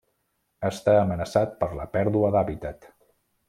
Està amenaçat per la pèrdua d'hàbitat.